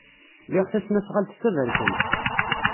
Liɣ tasnasɣalt d taberkant.